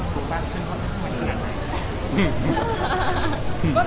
ขึ้นมากขึ้นมาก